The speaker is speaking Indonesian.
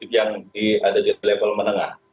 yang di level menengah